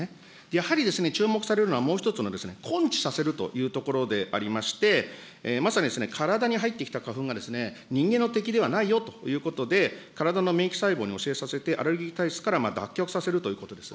やはり注目されるのは、もう１つの、根治させるというところでありまして、まさに体に入ってきた花粉が人間の敵ではないよということで、体の免疫性細胞に教えさせて、アレルギー体質から脱却させるということです。